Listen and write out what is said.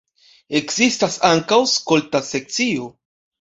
Ekzistas ankaŭ skolta sekcio.